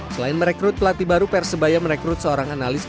selain merekrut pelatih baru persebaya merekrut seorang analis